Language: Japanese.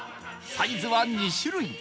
サイズは２種類